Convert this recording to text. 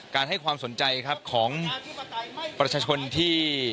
ให้ความสนใจครับของประชาชนที่